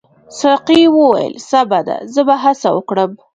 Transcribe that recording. ساقي وویل سمه ده زه به هڅه وکړم.